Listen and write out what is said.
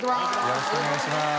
よろしくお願いします。